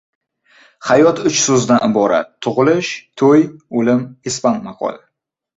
Hayot uch so‘zdan iborat: tug‘ilish, to‘y, o‘lim. Ispan maqoli